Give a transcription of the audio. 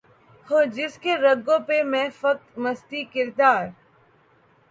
ہو جس کے رگ و پے میں فقط مستی کردار